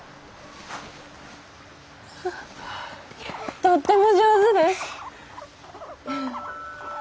とっても上手です。